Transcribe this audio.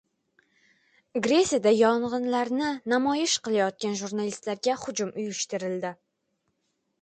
Gresiyada yong‘inlarni namoyish qilayotgan jurnalistlarga hujum uyushtirildi